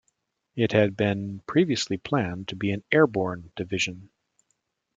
It had been previously planned to be an airborne division.